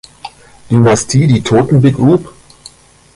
Dynastie die Toten begrub.